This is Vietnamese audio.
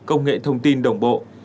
công nghệ thông tin đồng bộ